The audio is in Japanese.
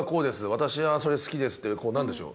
「私はそれ好きです」ってこうなんでしょう